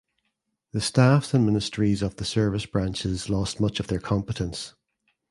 The staffs and ministries of the service branches lost much of their competence.